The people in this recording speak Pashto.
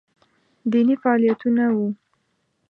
دیني فعالیتونه وو